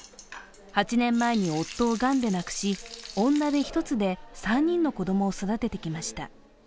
８年前に夫をがんで亡くし、女手一つで３人の子供を育ててきました。